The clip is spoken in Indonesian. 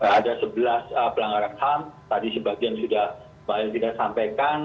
ada sebelas pelanggaran ham tadi sebagian sudah mbak elvira sampaikan